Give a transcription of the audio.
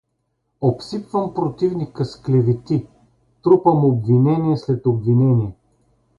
Обсипвам противника с клевети, трупам обвинение след обвинение.